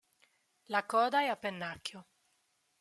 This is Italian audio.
La coda è a pennacchio.